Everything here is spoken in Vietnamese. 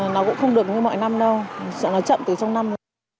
nó cũng không được như mọi năm đâu sợ nó chậm từ trong năm